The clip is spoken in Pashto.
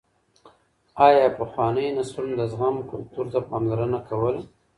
ايا پخوانيو نسلونو د زغم کلتور ته پاملرنه کوله؟